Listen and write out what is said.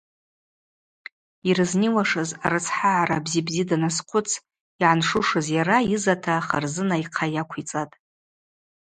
Йрызниуашыз арыцхӏагӏара бзи-бзи даназхъвыц йгӏаншушыз йара йызата Харзына йхъа йаквицӏатӏ.